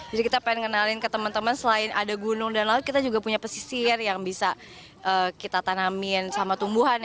jadi kita pengen ngenalin ke teman teman selain ada gunung dan laut kita juga punya pesisir yang bisa kita tanamin sama tumbuhan